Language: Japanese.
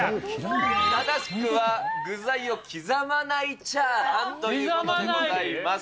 正しくは、具材を刻まないチャーハンということでございます。